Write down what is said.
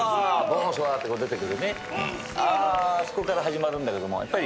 あそこから始まるんだけどもやっぱり。